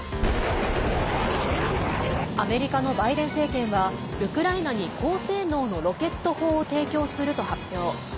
アメリカのバイデン政権はウクライナに高性能のロケット砲を提供すると発表。